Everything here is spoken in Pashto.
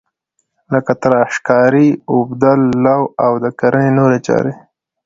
لکه تراشکاري، اوبدل، لو او د کرنې نورې چارې.